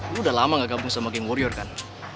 lu udah lama ga gabung sama geng warrior kan